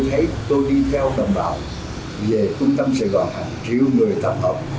thấy tôi đi theo đồng bào về cung tâm sài gòn hàng triệu người tầm hợp